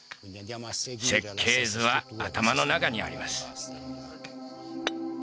設計図は頭の中にあります